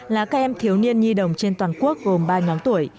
là các em thiếu niên nhi đồng trên toàn quốc gồm ba nhóm tuổi